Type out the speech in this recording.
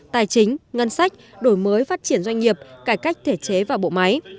tài chính ngân sách đổi mới phát triển doanh nghiệp cải cách thể chế và bộ máy